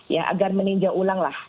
ya agar meninjau ulanglah